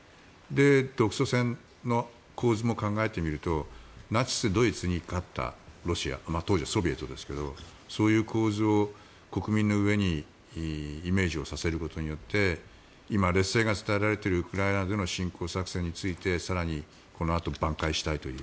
独ソ戦の構図も考えてみるとナチス・ドイツに勝ったロシア当時はソビエトですけどそういう構図を国民の上にイメージをさせることによって今、劣勢が伝えられているウクライナでの侵攻作戦について更にこのあとばん回したいという。